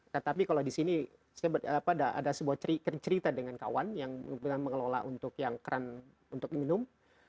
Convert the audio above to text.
ya tapi kalau di sini saya pada ada sebuah cerita dengan kawan yang mengelola untuk yang kran untuk minum